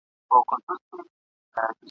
جهاني ماته مي نیکونو په سبق ښودلي !.